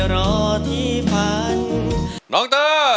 ร้อง